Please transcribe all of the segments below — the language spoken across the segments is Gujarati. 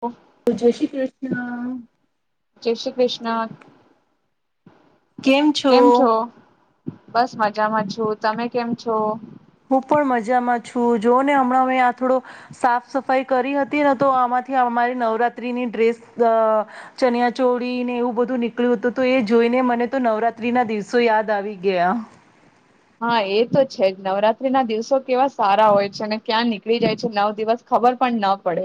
ઓહ! જય શ્રી કૃષ્ણ જય શ્રી કૃષ્ણ કેમ છો? બસ મજામાં છું, તમે કેમ છો? હું પણ મજામાં છું જો ને હમણાં અં આ થોડો, સાફ સફાઈ કરી હતી ને તો આમાંથી અમારી નવરાત્રીની ડ્રેસ ચનિયાચોળી ને એવું બધું નીકળ્યું હતું. તો એ જોઈને મને તો નવરાત્રી ના દિવસો યાદ આવી ગયા. હા એ તો છે. જ નવરાત્રી ના દિવસો કેવા સારા હોય છે. અને ક્યાં નીકળી જાય છે. નવ દિવસ ખબર પણ ના પડે.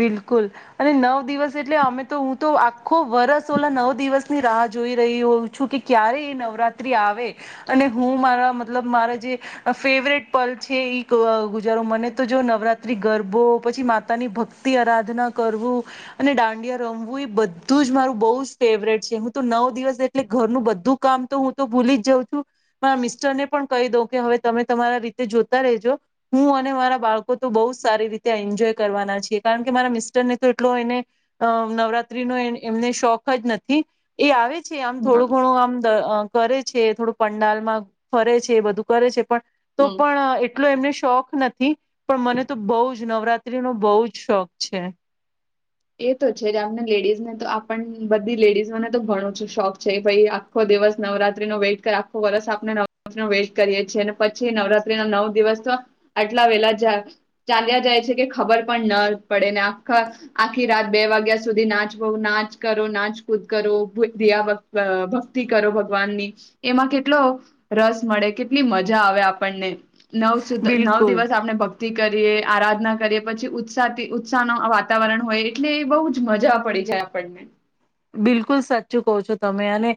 બિલકુલ, અને નવ દિવસ એટલે અમે તો હું તો આ ખૂબ વરસ ઓલા નવ દિવસ ની રાહ જોઈ રહહી હો છું કે ક્યારે એ નવરાત્રી આવે, અને હું મારા મતલબ મારા જે ફેવરેટ પલ છે. એ ગુજારો મને તો જો નવરાત્રી ગરબો પછી માતાની ભક્તિ. ભક્તિ આરાધના કરવું, અને દાંડિયા રમવું એ બધું જ મારું બહ જ ફેવરેટ છે. હું તો નવ દિવસ એટલે ઘરનું બધું કામ તો હું તો ભૂલી જ જાઉં છું, મારા મિસ્ટર ને પણ કહી દઉ કે હવે તમે તમારા રીતે જોતા રેજો, હું અને મારા બાળકો તો બહ જ સારી રીતે એન્જોય કરવાના છે. કારણ કે મારા મિસ્ટર ને તો એટલો એને અ નવરાત્રી નો એમને શોખ જ નથી, એ આવે. છે. આમ હા થોડું ઘણું આમ કરે છે થોડું પંડાલમાં ફરે છે બધું કરે છે. તો હમ પણ એટલો એમને શોખ નથી, પણ મને તો બહુ જ નવરાત્રી ન બહ જ શોખ છે. એ તો છે. આપને લેડીઝને તો આપણ બધી લેડીઝોને તો ઘણું શોખ છે. ભાઈ આખો દિવસ નવરાત્રી નો વેટ આખો વર્ષ આપણે નવરાત્રી નો વેટ કરીએ છીએ, અને પછી નવરાત્રી નવ દિવસ તો, આટલા વેલા ચાલ્યા જાય છે. કે ખબર પણ ના પડે ને આખા આખી રાત બે વાગ્યા સુધી નાચવો નાચ કરો નાચકૂદ કરો ભક્તિ કરો ભગવાનની, એમાં કેટલો રસ મળે કેટલી મજા આવે આપણને. નવ સુદ્ધ નવ બિલકુલ દિવસ આપણે ભક્તિ કરીએ આરાધના કરીએ પછી. ઉત્સાહથી ઉત્સાહ નું વાતાવરણ હોય એટલે એ બહુ જ મજા પડી જાય આપણને. બિલકુલ સાચું કો છો તમે અને,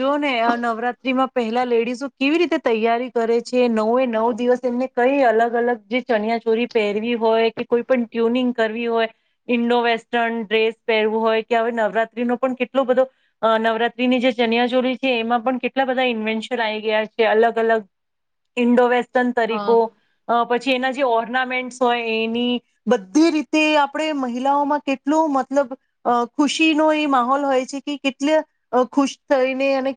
જોઓ ને નવરાત્રીમાં પહેલા લેડીસો કેવી રીતે તૈયારી કરે છે. નવે નવ દિવસ એમને કઈ અલગ અલગ જે ચણિયાચોરી પહેરવી હોય. કે કોઈ પણ ટ્યુનિંગ કરવી હોય, ઈન્ડોવેસ્ટર્ન ડ્રેસ પહેરવું હોય કે હવે નવરાત્રિ પણ કેટલો બધો નવરાત્રીની જે ચનિયાજોળ છે. એમાં પણ કેટલા બધા ઇન્વેન્શન આવી ગયા છે. અલગ અલગ ઇન્ડોવસ્ટ હા તરીકો, પછી એના જે ઓર્નામેન્ટ હોય. એની બધી રીતે આપણે મહિલાઓમાં કેટલો મતલબ ખુશી નો એ માહોલ હોય છે. કે કેટલે ખુશ થઈને અને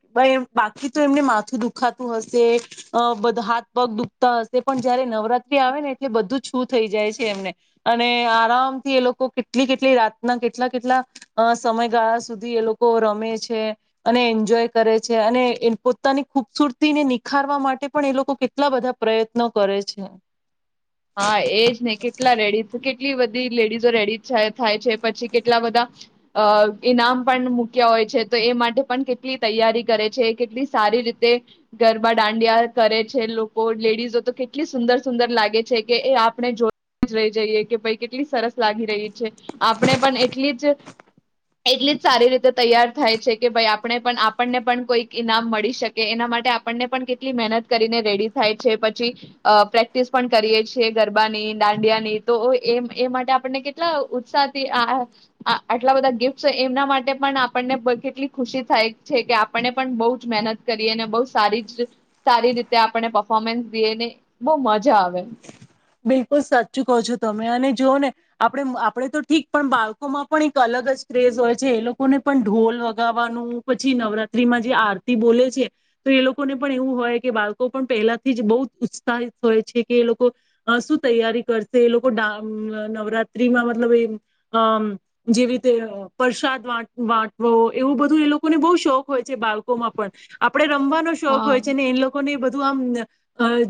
બાકી તો એમને માથું દુખાતું હશે. હાથ પગ દુખતા હશે પણ જયારે નવરાત્રી આવે ને એટલે બધું છું થઈ જાય છે. એમને અને આરામથી એ લોકો કેટલી કેટલી રાતના કેટલા કેટલા અ સમયગાળા સુધી એ લોકો રમે છે. વઅને એન્જોય કરે છે, અને પોતાની ખૂબસુરતીને નિખારવા માટે પણ એ લોકો કેટલા બધા પ્રયત્નો કરે છે. હા એજ ને કેટલા રેડી કેટલી બધી લેડીઝો રેડી થાય છે. પછી કેટલા બધા, અ ઈનામ પણ મૂક્યા હોય છે. તો એ માટે પણ કેટલી તૈયારી કરે છે. કેટલી સારી રીતે ગરબા દાંડિયા કરે છે. લોકો લેડીઝો તો કેટલી સુંદર સુંદર લાગે છે. કે એ આપણે જો જ રહી જઈએ. કે ભાઈ કેટલી સરસ લાગી રહી છે. આપણે પણ એટલી જ એટલી જ સારી રીતે તૈયાર થાય છે. કે ભાઈ આપણે પણ આપણને પણ કોઈક ઈનામ મળી શકે એના માટે આપણને પણ કેટલી મહેનત કરીને રેડી થાય છે. પછી પ્રેક્ટિસ પણ કરીએ છીએ. ગરબાની, દાંડિયાની તો એમ એ માટે આપણને કેટલા ઉત્સાહથી આ આટલા બધા ગિફ્ટ એમના માટે પણ આપણને કેટલી ખુશી થાય છે. કે આપણને પણ બહ જ મહેનત કરીને બ સારી જ સારી રીતે આપને પફોર્મન્સ દઈને, બહ મજા આવે. બિલકુલ સાચચું કહો છો તમે અને જોઓ ને, આપણે આપડણે તો ઠીક પણ બાળકોમાં પણ એક અલગ જ ક્રેઝ હોય છે. એ લોકોને પણ ઢોલ વગાવવાનું પછી નવરાત્રીમાં જે આરતી બોલે છે, તો એ લોકોને પણ એવું હોય, કે બાળકો પણ પહેલાથી જ બહુ ઉત્સાહિત હોય છે. કે એ લોકો શું તૈયારી કરશે? એ લોકો નવરાત્રીમાં મતલબ, એ જેવી રીતે પ્રસાદ વાટવો એવું બધું એ લોકોને બહુ શોખ હોય છે. બાળકોમાં પણ આપણે રમવાનો શોખ હા હોય છે. ને એ લોકોને બધું તો આમ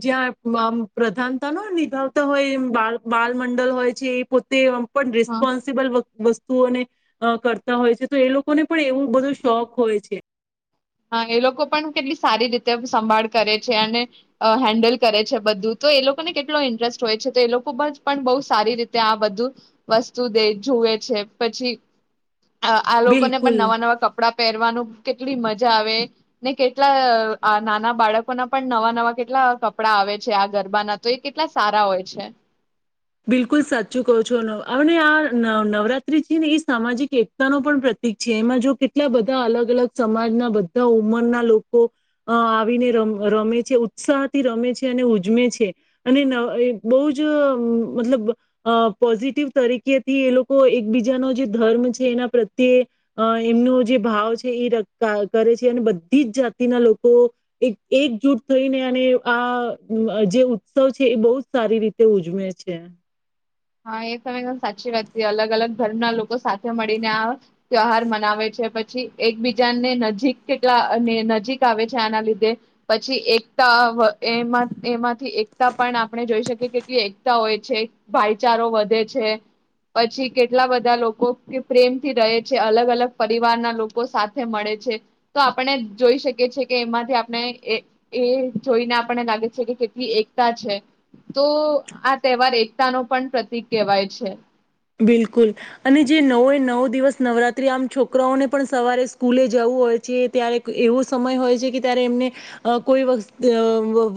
જ્યાં આમ પ્રધાનતા ન હોય ને લાવતા હોય એમ બા બાલમંડલ હોય છે એ પોતેય પણ હા રિસ્પોન્સિબલ વ વસ્ તુઓને અ કરતા હોય છે, તો એ લોકોને પણ એવું બધો શોખ ઓય છે. હાં, એ લોકો પણ કેટલી સારી રીતે સંભાળ કરે છે અને અ હેન્ડલ કરે છે બધું, તો એ લોકોને કેટલો ઇન્ટરેસ્ટ હોય છે, તો એ લોકો બ જ પણ બઉ સારી રીતે આ બધું વસ્તુ દે, જુવે છે પછી આ આ લોકોને બિલકુલ પણ નવા નવા કપડા પેરવાનું કેટલી મજ જા આવે, ને કેટલા અ આ નાના બાળકોના પણ નવા નવા કેટલા કપડા આવે છે આ ગરબાના, તો એ કેટલા સારા ઓય છે. બિલકુલ સાચું કહો છો નવ અને આ ન નવરાત્રી છે ને એ સામાજિક એકતાનો પણ પ્રતિક છે. એમાં જો કેટલા બધા અલગ અલગ સમાજના બધા ઉંમરના લોકો અ આવીને રમ રમે છે, ઉત્સાહથી રમે છે અને ઉજવે છે અને નવ અ બોઉજ મતલબ અ પોઝિટિવ તરીકેથી એ લોકો એકબીજાનો જે ધર્મ છે એના પ્રત્યે અ એમનો જે ભાવ છે ઈ ર ક કા કરે છે અને બધી જ જાતિના લોકો એક એકજૂટ થઈને અને આ અ જે ઉત્સવ છે, એ બોઉજ સારી રીતે ઉજવે છે. [unintelligible] હા, એ [unintelligible] સાચી વાત તે અલગ અલગ ધર્મના લોકો સાથે મળીને આ ત્યોહાર મનાવે છે, પછી એકબીજાને નજીક કેટલા અને નજીક આવે છે, આના લીધે પછી એકતા વ એમાં એમાં એકતા પણ આપણે જોઈ શકીએ, કેટલી એક તા હોય છે, ભાઈ. ચારો વધે છે, પછી કેટલા બધા લોકો કે પ્રેમથી રહે છે, અલગ અલગ પરિવારના લોકો સાથે મળે છે, તો આપણને જોઈ શકીએ છીએ કે, એમાંથી આપને એ જોઈને આપણ ને લાગે છે કે કેટલી એકતા છે, તો આ તહેવાર એકતાનો પણ પ્રતિક કહેવાય છે. બિલકુલ અને જે નવ એ નવ દિવસ નવરાત્રી આમ છોકરાઓને પણ સવારે સ્કૂલે જવું હોય છે, ત્યારે એવો સમય હોય છે કે, ત્યારે એમને કોઈ વસ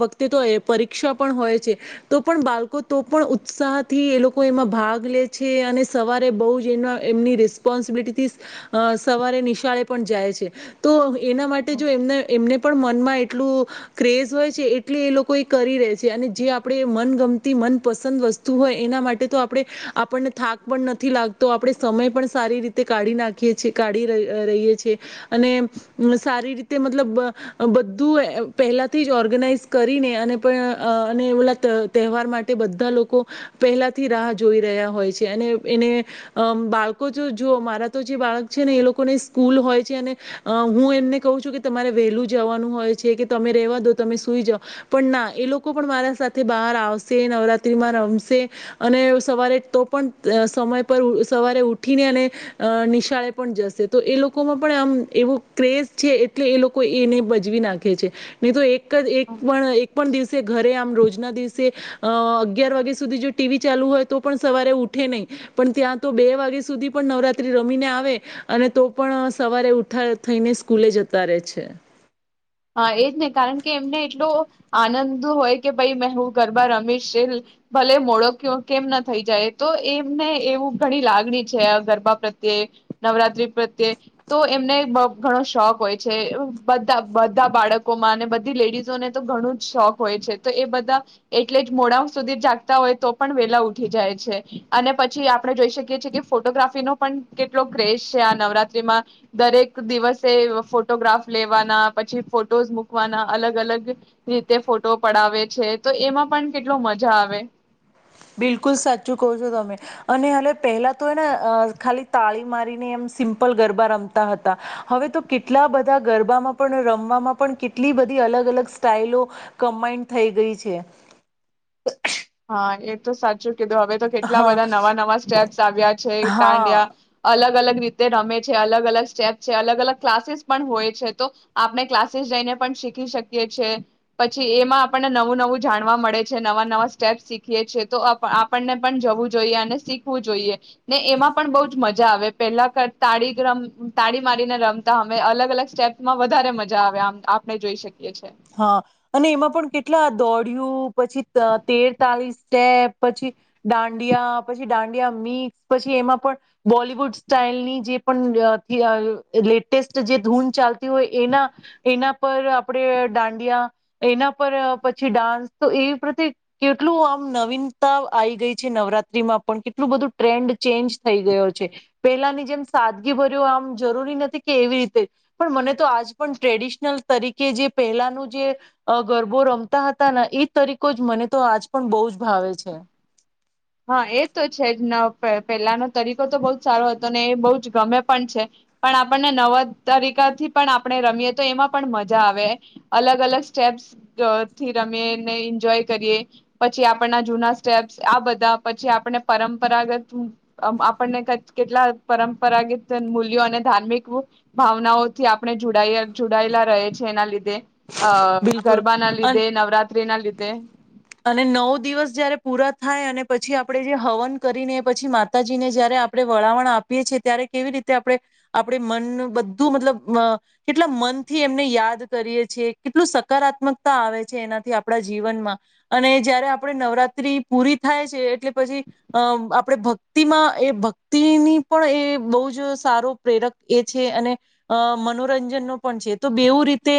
વખતે તો પરીક્ષા પણ હોય છે, તો પણ બાળકો તો પણ ઉત્સાહ થી એ લોકો એમાં ભાગ લે છે અને સવારે બોજ એમ એમની રિસ્પોન્સિબિલિટીથી સવારે નિશાળે પણ જાય છે, તો હવે એના માટે હમ જો એમને એમને પણ મનમાં એટલું ક્રેઝ હોય છે, એટલી એ લોકો એ કરી રહેે છે અને જે આપડે મનગમતી મનપસંદ વસ્તુ હોય, એના માટે તો આપડે આપણને થાક પણ નથી લાગતો. આપડે સમય પણ સારી રીતે કાઢી નાખીએ છીએ, કાઢી રહીએ છીએ અને સારી રીતે મતલબ અ બધું પહેલાથી જ ઓર્ગેનાઈઝ કરીને અને પણ અને ઓલા તહેવાર માટે બધા લોકો પહેલાથી રાહ જોઈ રહ્યા હોય છે અને એને બાળકો જો જો મારા તો જે બાળક છે ને, એ લોકોને સ્કૂલ હોય છે અને હું એમને કહું છું કે, તમારે વહેલું જવાનું હોય છે કે, તમે રેવા દો, તમે સુઈ જાઓ પણ ના એ લોકો પણ મારા સાથે બહાર આવશે નવરાત્રીમાં રમશે અને સવારે તો પણ સમય પર સવારે ઉઠીને અને નિશાળે પણ જશે, તો એ લોકોમાં પણ આમ એવું ક્રેઝ છે, એટલે એ લોકો એને બજવી નાખે છે, ની તો એ એક એક હમ. પણ એક પણ દિવસે ઘરે આમ રોજ ના દિવસે અ અગિયાર વાગ્યા સુધી જો ટીવી ચાલુ હોય તો પણ સવારે ઉઠે નહી, પણ ત્યાં તો બે વાગ્યા સુધી પણ નવરાત્રી રમીને આવે અને તો પણ સવારે ઉઠા થઈને સ્કૂલે જતા રહેે છે. હા, એજને કારણકે એમને એટલો આનંદ હોય કે ભાઈ, મે હું ગરબા રમીશ, [unintelligible] ભલે મોડો ક્યો કેમ ન થઈ જાય તો, એમને એવું ઘણી લાગણી છે, આ ગરબા પ્રત્યે, નવરાત્રી પ્રત્યે, તો એમને બ ઘણો શોખ હોય છે બધા બધા બાળકોમાં અને બધી લેડીઝોને તો ઘણું જ શોખ હોય છે, તો એ બધા એટલે જ મોડાં સુધી જાગતા હોય તો, પણ વેલા ઉઠી જાય છે અને પછી આપડે જોઈ શકીએ છીએ, કે ફોટોગ્રાફીનો પણ કેટલો ક્રેઝ છે. આ નવરાત્રીમાં દરેક દિવસે ફોટોગ્રાફ લેવાના પછી ફોટોઝ મૂકવાના, અલગ-અલગ રીતે ફોટો પડાવે છે, તો એમાં પણ કેટલો મજા આવે. બિલકુલ સાચું કહો છો તમે અને હલે પહેલા તો ને ખાલી તાળી મારીને એમ સિમ્પલ ગરબા રમતા હતા. હવે તો કેટલા બધા ગરબામાં પણ, રમવામાં પણ કેટલી બધી અલગ અલગ સ્ટાઈલો કમ્બાઈન્ડ થઈ ગઈ છે. હા, એતો સાચુ કે, હવે તો કેટલા હા બધા નવા નવા સ્ટેપસ આવ્યા છે, હા દાડિયા અલગ અલગ રીતે રમે છે, અલગ-અલગ સ્ટેપ છે, અલગ-અલગ ક્લાસીસ પણ હોય છે, તો આપણે ક્લાસીસ જઈને પણ શીખી શકીએ છે, પછી એમાં આપણને નવું-નવું જાણવા મળે છે. નવા નવા સ્ટેપસ શીખીએ છે, તો આપણને પણ જવું જોઈએ અને શીખવું જોઈએ, ને એમાં પણ બો જ મજા આવે. પેલા કરતા તાળી તાળી મારીને રમતા, અવે અલગ અલગ સ્ટેપસ માં વધારે મજા આવે, આમ આપણે જોઈ શકીએ છીએ. હા અને એમાં પણ કેટલા દોડયુ પછી અહ તેર તાવિસ સ્ટેપ પછી દાંડિયા પછી દાંડિયા મિક્સ પછી એમાં પણ બોલિવુડ સ્ટાઈલની જે પણ અતી અ લેટેસ્ટ જે ધૂન ચાલતી હોય એના એના પર આપણે દાંડિયા એના પર પછી ડાન્સ તો એવી પ્રત્યે કેટલું આમ નવીનતા આવી ગઈ છે નવરાત્રીમાં પણ કેટલું બધું ટ્રેન્ડ ચેન્જ થઈ ગયો છે. પેલાની જેમ સાદગી ભર્યો આમ જરૂરી નથી કે એવી રીતે પણ મને તો આજ પણ ટ્રેડિશનલ તરીકે જે પહેલાનું જે ગરબો રમતા હતા ને એ તરીકો જ મને તો આજ પણ બહુ જ ભાવે છે. હા એ તો જ એટલા પછી આપણને પરંપરાગત આમ આપણને કેટલા પરંપરાગત મૂલ્યો અને ધાર્મિક ભાવનાઓથી આપણે જોડાયા-જોડાયેલા રહે છે એના લીધ ધે અ બિલકુલ ગરબાના અને લીધે નવરાત્રિ ના લિ તે અને નવ દિવસ જયારે પૂરા થાય અને પછી આપણે જે હવન કરીને પછી માતાજીને જયારે આપણે વળાવણ આપીએ છેએ. ત્યારે કેવી રીતે આપણે આપણે મન બધું મતલબ અ કેટલા મનથી એમને યાદ કરીએ છીએ કેટલું સકારાત્મકતા આવે છે એનાથી આપણા જીવનમાં અને જયારે આપણે નવરાત્રિ પૂરી થાય છે એટલે પછી અ આપણે ભક્તિમાં એ ભક્તિની પણ એ બહુ જ સારો પ્રેરક એ છે અને અ મનોરંજનનો પણ છે તો બેવું રીતે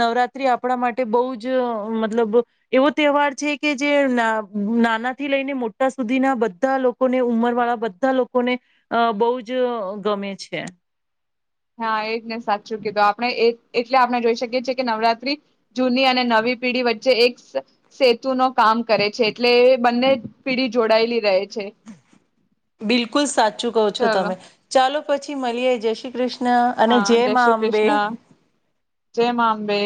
નવરાત્રિ આપડા માટે બહુ જ મતલબ એવો તહેવાર છે કે જે ના-નાના થી લઈને મોટા સુધીના બધા લોકોને ઉંમરવાળા બધા લોકોને બહુ જ ગમે છે. હા, એ જ ને સાચું કીધું આપણે એ એટલે આપણે જોઈ શકીએ છીએ કે નવરાત્રી જૂની અને નવી પેઢી વચ્ચે એક સેતુ નો કામ કરે છે એટલે એ બંને પીઢી જોડાયેલી રહે છે બિલકુલ સાચું કહો છો ચલો તમે. ચાલો. પછી મળીએ જય શ્રી કૃષ્ણ. અને હા, જય મા શ્રી અંબે. કૃષ્ણ. જય માં અંબે.